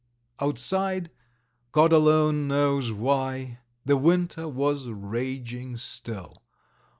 ... Outside, God alone knows why, the winter was raging still.